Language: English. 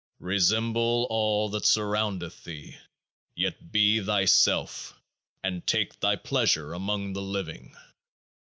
Resemble all that surroundeth thee ; yet be Thyself — and take thy pleasure among the living.